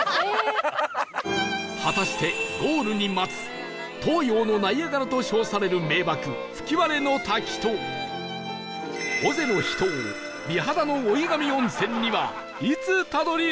果たしてゴールに待つ東洋のナイアガラと称される名瀑吹割の滝と尾瀬の秘湯美肌の老神温泉にはいつたどり着けるのか？